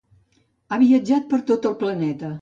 Ha viatjat per tot el planeta.